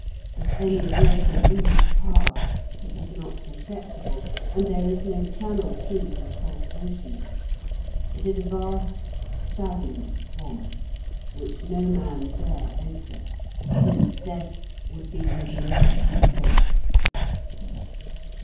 If any water ooze past, it is not perceptible, and there is no channel through to the salt ocean. It is a vast stagnant swamp, which no man dare enter, since death would be his inevitable fate.